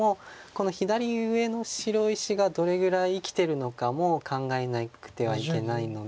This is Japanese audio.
この左上の白石がどれぐらい生きてるのかも考えなくてはいけないので。